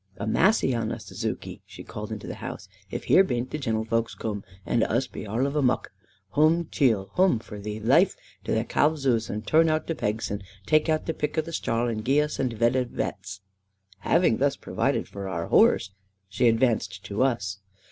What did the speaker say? "A massy on us, Zuke," she called into the house, "if here bain't the genelvolks coom, and us be arl of a muck! Hum, cheel, hum for thee laife to the calves' ouze, and toorn out both the pegs, and take the pick to the strah, and gie un a veed o' wets." Having thus provided for our horse, she advanced to us.